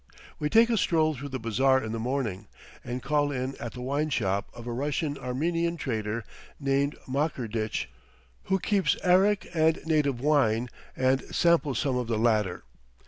We take a stroll through the bazaar in the morning, and call in at the wine shop of a Russian Armenian trader named Makerditch, who keeps arrack and native wine, and sample some of the latter.